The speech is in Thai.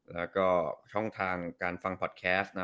แล้วก็ช่องทางการฟังพอดแคสต์